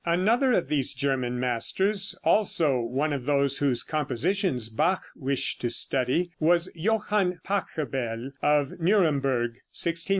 Another of these German masters, also one of those whose compositions Bach wished to study, was Johann Pachelbel, of Nuremberg (1635 1706).